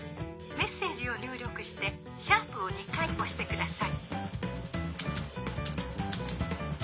メッセージを入力して♯を２回押してください。